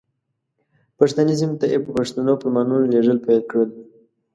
پښتني سیمو ته یې په پښتو فرمانونه لېږل پیل کړل.